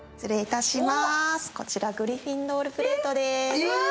こちらグリフィンドールプレートです。